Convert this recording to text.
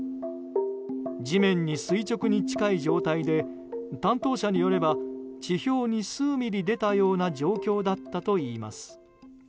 地面に垂直に近い状態で担当者によれば地表に数ミリ出たような状況だったといいます。